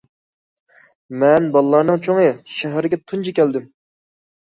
مەن بالىلارنىڭ چوڭى، شەھەرگە تۇنجى كەلدىم.